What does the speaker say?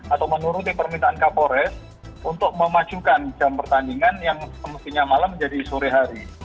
atau menuruti permintaan kapolres untuk memajukan jam pertandingan yang semestinya malam menjadi sore hari